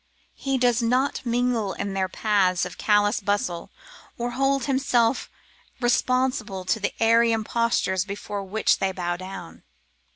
He does not mingle in their paths of callous bustle, or hold himself responsible to the airy impostures before which they bow down.